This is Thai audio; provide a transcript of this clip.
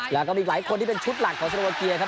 แล้วก็มีอีกหลายคนที่เป็นชุดหลักของโซโลวาเกียครับ